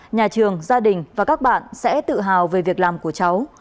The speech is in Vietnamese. nhà trường gia đình và các bạn sẽ tự hào về việc làm của cháu